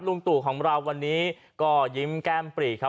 ตู่ของเราวันนี้ก็ยิ้มแก้มปรีครับ